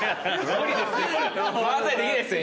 漫才できないですよ